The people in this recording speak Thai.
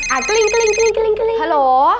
กลิ้งฮัลโหล